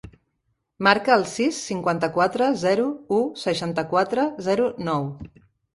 Marca el sis, cinquanta-quatre, zero, u, seixanta-quatre, zero, nou.